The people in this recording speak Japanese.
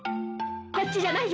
こっちじゃないよ！